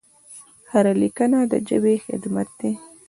هره لیکنه د ژبې خدمت دی.